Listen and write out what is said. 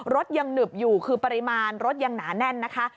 รถยังหนึบอยู่คือปริมาณรถยังหนาแน่นนะคะ